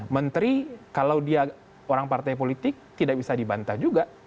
menteri kalau dia orang partai politik tidak bisa dibantah juga